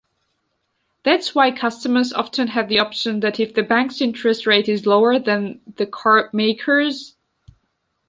That's why customers often have the option that if the bank's interest rate is lower than the car maker's,